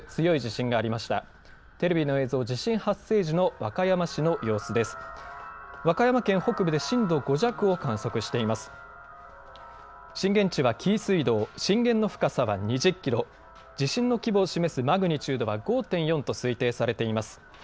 震源地は紀伊水道、震源の深さは２０キロ、地震の規模を示すマグニチュードは５．４と推定されています。